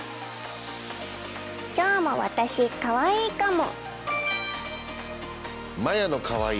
きょうも私かわいいかも。